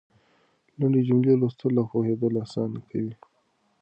لنډې جملې لوستل او پوهېدل اسانه کوي.